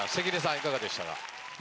いかがでしたか？